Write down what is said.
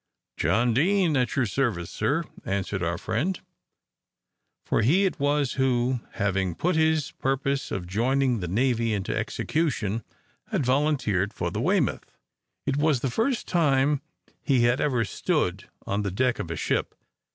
"John Deane, at your service, sir," answered our friend; for he it was who, having put his purpose of joining the navy into execution, had volunteered for the "Weymouth." It was the first time he had ever stood on the deck of a ship.